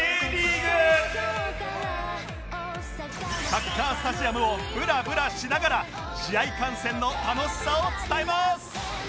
サッカースタジアムをブラブラしながら試合観戦の楽しさを伝えます！